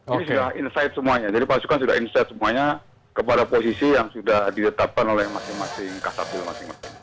ini sudah insight semuanya jadi pasukan sudah insight semuanya kepada posisi yang sudah ditetapkan oleh masing masing kasatyo masing masing